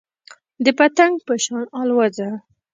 د پتنګ په شان الوځه .